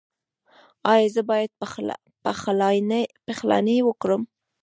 ایا زه باید پخلاینه وکړم؟